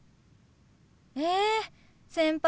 え先輩